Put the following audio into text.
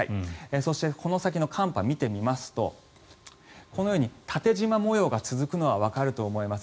そして、この先の寒波を見てみますとこのように縦じま模様が続くのはわかると思います。